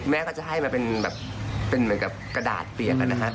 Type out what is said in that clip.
แม่ก็จะให้มาเป็นแบบกระดาษเปียกกันนะคะ